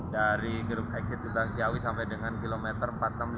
dari gerbang exit gerbang siawi sampai dengan kilometer empat lima ratus